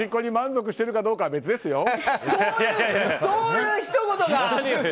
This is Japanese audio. フジっ子に満足してるかどうかは別ですよ。